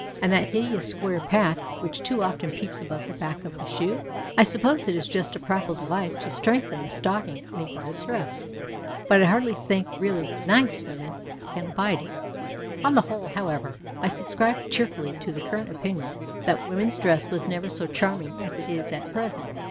And that hideous square patch which too often peeps above the back of the shoe ? I suppose it is just a practical device to strengthen the stocking in a part of stress ; but I hardly think really " nice "' women can abide it. On the whole, however, I subscribe cheerfully to the current opinion that woman's dress was never so charming as it is at present.